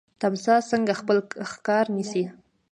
تمساح څنګه خپل ښکار نیسي؟